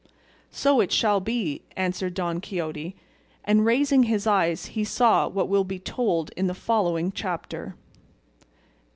"So it shall be," answered Don Quixote, and raising his eyes he saw what will be told in the following chapter.